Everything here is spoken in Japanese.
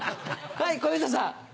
はい小遊三さん。